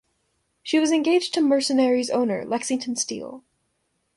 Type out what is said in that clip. She was engaged to Mercenary's owner, Lexington Steele.